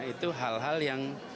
itu hal hal yang